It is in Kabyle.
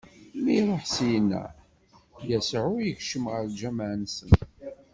Mi iṛuḥ syenna, Yasuɛ ikcem ɣer lǧameɛ-nsen.